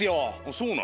そうなの？